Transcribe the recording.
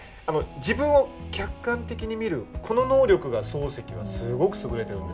自分を客観的に見るこの能力が漱石はすごく優れてるんですよ。